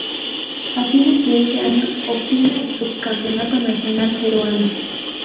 A fines de ese año obtiene el subcampeonato nacional peruano.